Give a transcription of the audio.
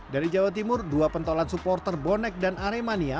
dari jawa timur dua pentolan supporter bonek dan aremania